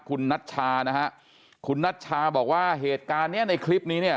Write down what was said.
คุณนัชชานะฮะคุณนัชชาบอกว่าเหตุการณ์เนี้ยในคลิปนี้เนี่ย